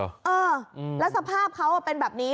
เออแล้วสภาพเขาเป็นแบบนี้